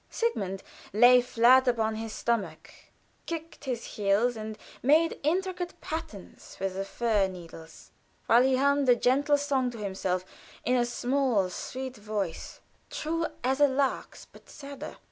Sigmund lay flat upon his stomach, kicked his heels and made intricate patterns with the fir needles, while he hummed a gentle song to himself in a small, sweet voice, true as a lark's, but sadder.